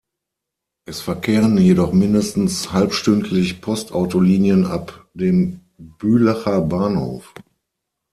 Es verkehren jedoch mindestens halbstündlich Postauto-Linien ab dem Bülacher Bahnhof.